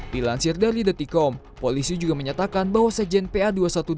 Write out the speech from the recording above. dilansir dari detikom polisi juga menyatakan bahwa sekjen pa dua ratus dua belas